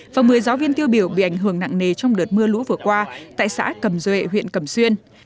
và một mươi giáo viên tiêu biểu bị ảnh hưởng nặng nề trong đợt mưa lũ vừa qua tại xã cầm duệ huyện cầm xuyên